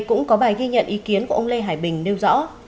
cũng có bài ghi nhận ý kiến của ông lê hải bình nêu rõ